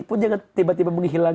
pun jangan tiba tiba menghilang